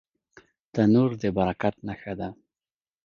تنور د برکت نښه ده